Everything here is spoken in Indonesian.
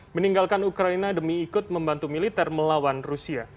meninggalkan ukraina demi ikut membantu militer melawan rusia